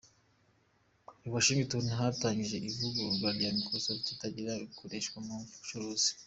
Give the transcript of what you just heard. I Washington hatangiye ivugururwa rya Microsoft, itangira gukoreshwa mu bucuruzi.